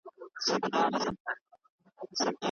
د زیرمو سمه کارونه پرمختګ رامنځته کوي.